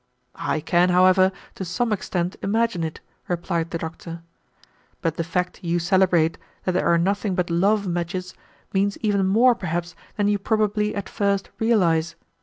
"I can, however, to some extent, imagine it," replied the doctor. "But the fact you celebrate, that there are nothing but love matches, means even more, perhaps, than you probably at first realize.